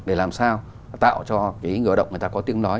để làm sao tạo cho cái người lao động người ta có tiếng nói